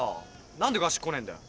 何で合宿来ねえんだよ？